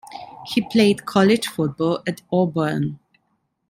He played college football at Auburn.